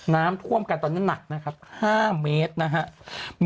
น้ำท่วมกันตอนนี้หนักนะครับ๕เมตรนะครับ